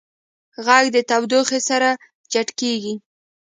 غږ د تودوخې سره چټکېږي.